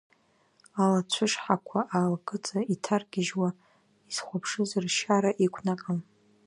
Алацәышҳақәа алакыҵа иҭаргьежьуа изхәаԥшыз ршьара иқәнаҟьон.